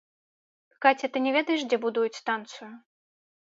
Каця, ты не ведаеш, дзе будуюць станцыю?